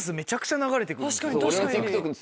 確かに確かに。